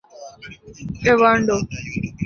ایوانڈو